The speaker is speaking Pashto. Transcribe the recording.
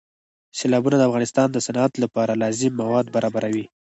سیلابونه د افغانستان د صنعت لپاره لازم مواد برابروي.